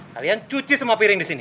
kalian cuci semua piring di sini